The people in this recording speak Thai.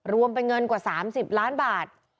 รวมเป็นเงินกว่า๓๐ล้านบาท